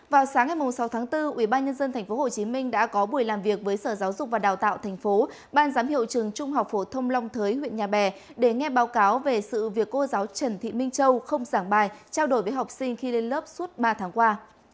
vào sáng ngày sáu tháng bốn ubnd tp hcm đã có buổi làm việc với sở giáo dục và đào tạo tp ban giám hiệu trường trung học phổ thông long thới huyện nhà bè để nghe báo cáo về sự việc cô giáo trần thị minh châu không giảng bài trao đổi với học sinh khi lên lớp suốt ba tháng qua